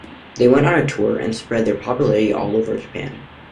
They went on tour and spread their popularity all over Japan.